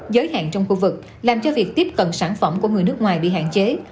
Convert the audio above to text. giới hạn trong khu vực làm cho việc tiếp cận sản phẩm của người nước ngoài bị hạn chế